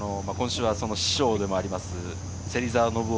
師匠でもあります、芹澤信雄